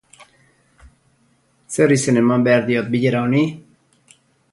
Zer izen eman behar diot bilera honi?